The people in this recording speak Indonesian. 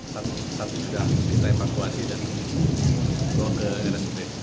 saat itu kita evakuasi dan bawa ke rsudk